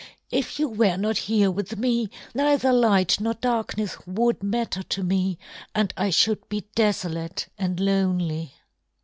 "If you were not here with me, neither light nor darkness would matter to me, and I should be desolate and lonely."